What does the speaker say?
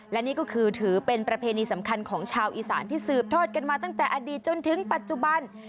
และนี่ก็คือถือเป็นประเพณีสำคัญของชาวอีสานที่สืบทอดกันมาตั้งแต่อดีตจนถึงปัจจุบัน